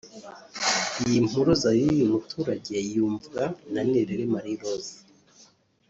Iyi mpuruza y’uyu muturage yumvwa na Nirera Marie Rose